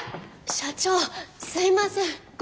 社長すいません！